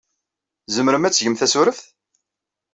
Tzemrem ad tgem tasureft?